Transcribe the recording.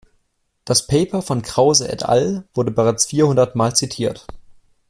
Das Paper von Krause et al. wurde bereits vierhundertmal zitiert.